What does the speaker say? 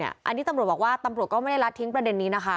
อันนี้ตำรวจบอกว่าตำรวจก็ไม่ได้ลัดทิ้งประเด็นนี้นะคะ